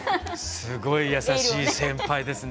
すごい優しい先輩ですね。